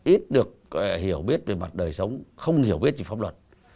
ít được hiểu biết về mặt đời sống không hiểu biết gì pháp luật